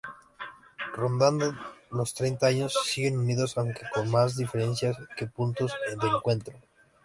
Rondando los treinta años siguen unidos, aunque con más diferencias que puntos de encuentro.